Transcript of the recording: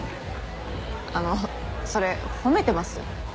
あのそれ褒めてます？